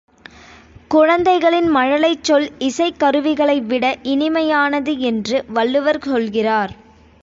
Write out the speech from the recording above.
குழந்தைகளின் மழலைச் சொல் இசைக் கருவிகளை விட இனிமையானது என்று வள்ளுவர் சொல்கிறார்.